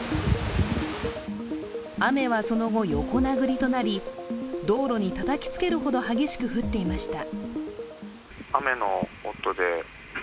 雨はその後、横殴りとなり、道路にたたきつけるほど激しく降っていました。